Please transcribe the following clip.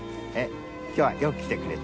今日はよく来てくれて。